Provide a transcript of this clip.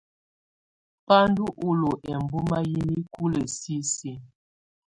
Ba ndù ɔlɔ ɛmbɔma yi nikulǝ sisiǝ̀.